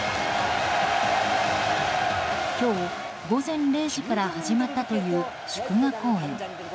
今日午前０時から始まったという祝賀公演。